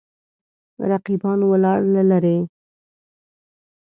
رقیبان ولاړ له لرې.